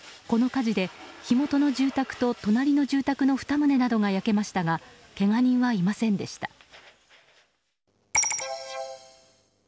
この火事で、火元の住宅と隣の住宅の２棟などが焼けましたがけが人はいませんでした。